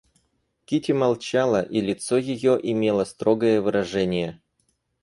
Кити молчала, и лицо ее имело строгое выражение.